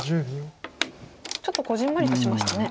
ちょっとこぢんまりとしましたね。